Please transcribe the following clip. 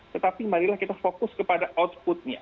tetapi marilah kita fokus kepada outputnya